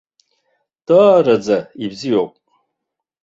Даараӡа ибзиоуп!